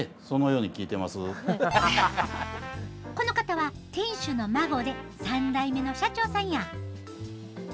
この方は店主の孫で３代目の社長さんや。